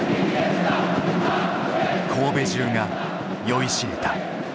神戸中が酔いしれた。